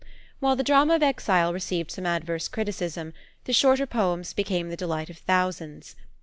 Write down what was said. While the Drama of Exile received some adverse criticism, the shorter poems became the delight of thousands.